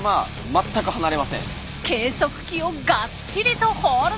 計測器をがっちりとホールド。